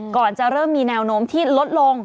ก่อนจะเริ่มมีแนวโน้มที่ลดลง